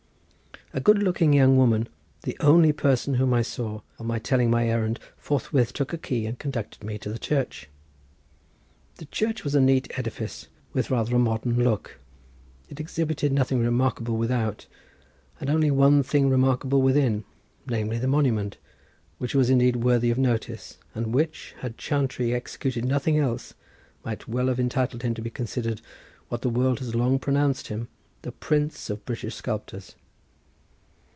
A good looking young woman, the only person whom I saw, on my telling my errand forthwith took a key and conducted me to the church. The church was a neat edifice with rather a modern look. It exhibited nothing remarkable without, and only one thing remarkable within, namely the monument, which was indeed worthy of notice, and which, had Chantrey executed nothing else, might well have entitled him to be considered, what the world has long pronounced him, the prince of British sculptors.